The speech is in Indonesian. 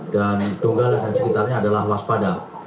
dan dongga dan sekitarnya adalah waspada